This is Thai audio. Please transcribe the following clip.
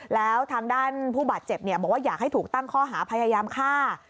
แล้วทางด้านผู้บาดเจ็บบอกว่าอยากให้ถูกตั้งข้อหาพยายามฆ่า